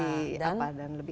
jadi itu yang saya lakukan